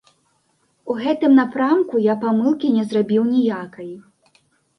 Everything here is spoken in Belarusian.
У гэтым напрамку я памылкі не зрабіў ніякай.